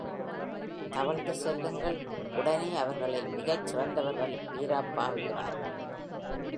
தவழ்ந்து செல்லுங்கள், உடனே, அவர்களில் மிகச்சிறந்தவர்கள் வீராப்பாகிறார்கள்.